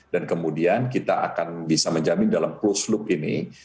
dan kemudian kita akan bisa menjamin dalam plus loop ini